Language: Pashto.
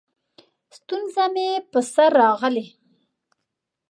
ستونزه مې په سر راغلې؛